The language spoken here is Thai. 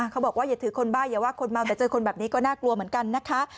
อย่าถือคนบ้าอย่าว่าคนเมาแต่เจอคนแบบนี้ก็น่ากลัวเหมือนกันนะคะ